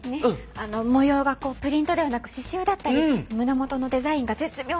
あの模様がこうプリントではなく刺しゅうだったり胸元のデザインが絶妙だったり